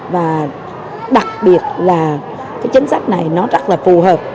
và đặc biệt là chính sách này rất là phù hợp